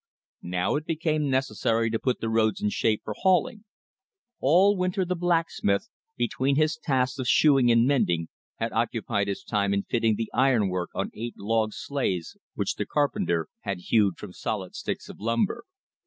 Now it became necessary to put the roads in shape for hauling. All winter the blacksmith, between his tasks of shoeing and mending, had occupied his time in fitting the iron work on eight log sleighs which the carpenter had hewed from solid sticks of timber.